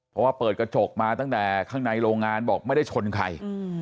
เพราะว่าเปิดกระจกมาตั้งแต่ข้างในโรงงานบอกไม่ได้ชนใคร